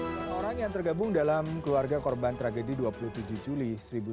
dua orang yang tergabung dalam keluarga korban tragedi dua puluh tujuh juli seribu sembilan ratus sembilan puluh